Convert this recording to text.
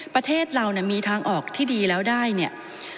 ประเทศเราเนี่ยมีทางออกที่ดีแล้วได้เนี่ย